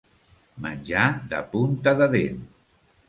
Menjar de punta de dent.